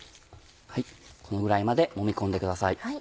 このぐらいまでもみ込んでください。